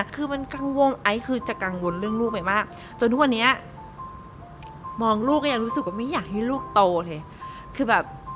คือมันกังวลไอซ์คือจะกังวลเรื่องลูกไอมากจนทุกวันนี้มองลูกก็ยังรู้สึกว่าไม่อยากให้ลูกโตเลยคือแบบ